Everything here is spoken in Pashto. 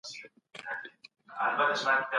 ښه ذهنیت بریالیتوب نه دروي.